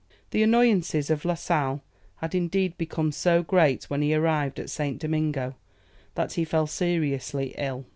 The annoyances of La Sale had indeed become so great when he arrived at St. Domingo, that he fell seriously ill.